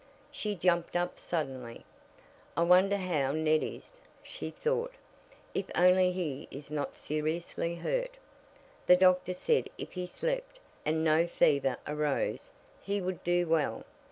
She jumped up suddenly. "I wonder how Ned is?" she thought. "If only he is not seriously hurt. The doctor said if he slept, and no fever arose, he would do well.